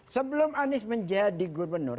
sebelum anies menjadi gubernur